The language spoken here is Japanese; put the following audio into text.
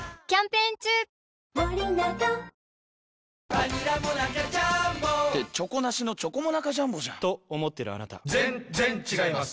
バニラモナカジャーンボって「チョコなしのチョコモナカジャンボ」じゃんと思ってるあなた．．．ぜんっぜんっ違います